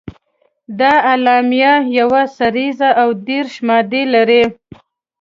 دا اعلامیه یوه سريزه او دېرش مادې لري.